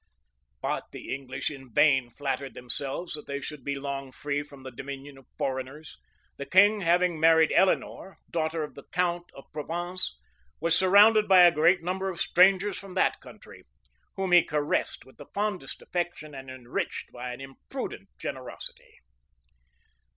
{1236.} But the English in vain flattered themselves that they should be long free from the dominion of foreigners. The king, having married Eleanor, daughter of the count of Provence,[] was surrounded by a great number of strangers from that country, whom he caressed with the fondest affection, and enriched by an imprudent generosity.